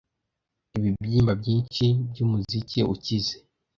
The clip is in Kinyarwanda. Ibibyimba byinshi byumuziki ukize,